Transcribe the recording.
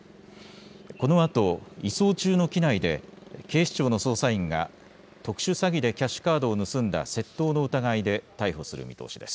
このあと移送中の機内で警視庁の捜査員が特殊詐欺でキャッシュカードを盗んだ窃盗の疑いで逮捕する見通しです。